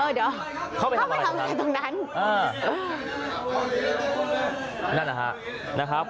เออเดี๋ยวเข้าไปทำอะไรตรงนั้น